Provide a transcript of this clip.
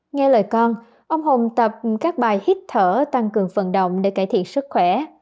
nghe lời con ông hùng tập các bài hít thở tăng cường phận động để cải thiện sức khỏe